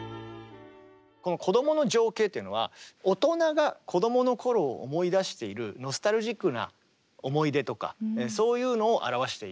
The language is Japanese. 「こどもの情景」っていうのは大人が子供の頃を思い出しているノスタルジックな思い出とかそういうのを表していて。